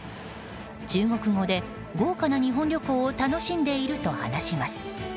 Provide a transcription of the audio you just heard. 中国語で、豪華な日本旅行を楽しんでいると話します。